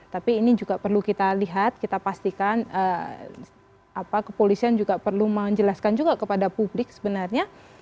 tapi ini juga perlu kita lihat kita pastikan kepolisian juga perlu menjelaskan juga kepada publik sebenarnya